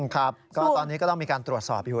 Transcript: ครับตอนนี้ก็ต้องมีการตรวจสอบ